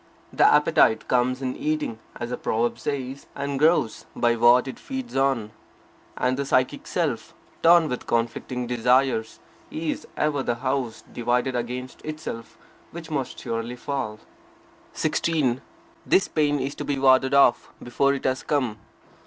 The appetite comes in eating, as the proverb says, and grows by what it feeds on. And the psychic self, torn with conflicting desires, is ever the house divided against itself, which must surely fall. 16. This pain is to be warded off, before it has come.